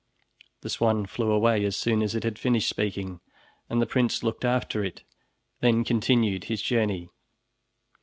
'" The swan flew away as soon as it had finished speaking, and the prince looked after it, then continued his journey.